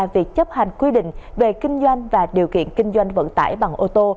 việc chấp hành quy định về kinh doanh và điều kiện kinh doanh vận tải bằng ô tô